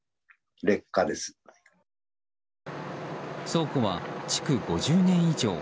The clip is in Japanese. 倉庫は築５０年以上。